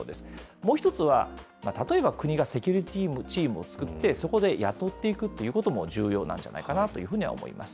もう１つは、例えば、国がセキュリティーチームを作って、そこで雇っていくということも重要なんじゃないかなというふうに思います。